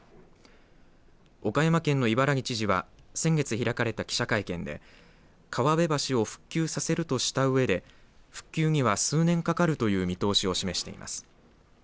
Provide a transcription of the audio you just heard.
岡山県の伊原木知事は先月開かれた記者会見で川辺橋を復旧させるとしたうえで復旧には数年かかるという見通しを示しています。